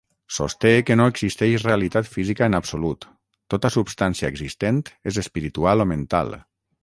Sosté que no existeix realitat física en absolut, tota substància existent és espiritual o mental.